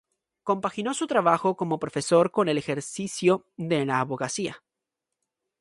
Compaginó su trabajo como profesor con el ejercicio de la abogacía.